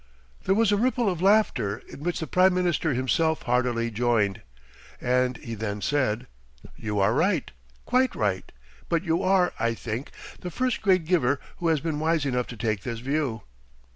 There was a ripple of laughter in which the Prime Minister himself heartily joined, and he then said: "You are right, quite right; but you are, I think, the first great giver who has been wise enough to take this view."